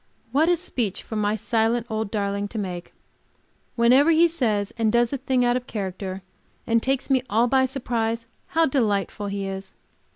What a speech for my silent old darling to make! Whenever he says and does a thing out of character, and takes me all by surprise, how delightful he is!